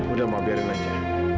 udah ma biarin aja